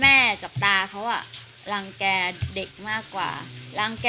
แม่กับตาเขาอะรังแก่เด็กมากกว่า